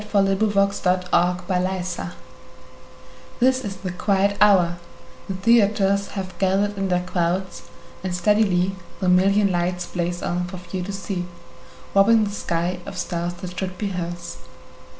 Sara Teasdale Broadway THIS is the quiet hour; the theaters Have gathered in their crowds, and steadily The million lights blaze on for few to see, Robbing the sky of stars that should be hers.